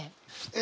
え